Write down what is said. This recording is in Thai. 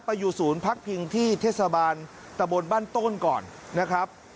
อยู่ศูนย์พักพิงที่เทศบาลตะบนบ้านต้นก่อนนะครับ